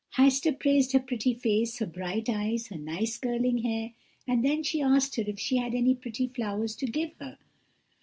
"Heister praised her pretty face, her bright eyes, her nice curling hair; and then she asked her if she had any pretty flowers to give her.